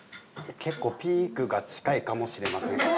結構ピークが近いかもしれません。